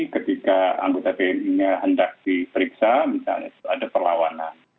ketika anggota tni nya hendak diperiksa misalnya itu ada perlawanan